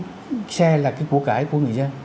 cái xe là cái của cải của người dân